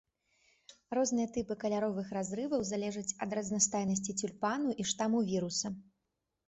Розныя тыпы каляровых разрываў залежаць ад разнастайнасці цюльпану і штаму віруса.